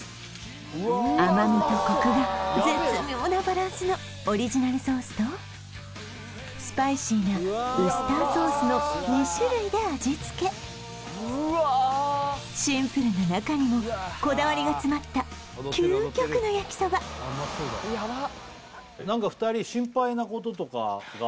甘みとコクが絶妙なバランスのオリジナルソースとスパイシーなウスターソースの２種類で味付けシンプルな中にもこだわりが詰まった究極の焼きそば心配？心配？